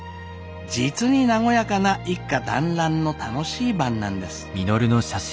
実に和やかな一家団らんの楽しい晩なんです。